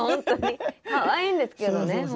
かわいいんですけどね。